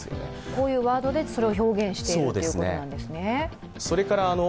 こういうワードで表現しているということなんですね。